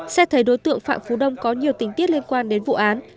xét thấy đối tượng phạm phú đông có nhiều tình tiết liên quan đến vụ án